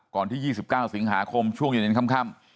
ที่๒๙สิงหาคมช่วงเย็นค่ำ